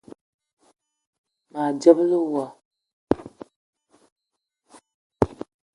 Ma gbele wass